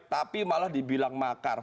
tapi malah dibilang makar